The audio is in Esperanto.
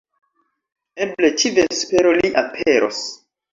Eble ĉi-vespero li aperos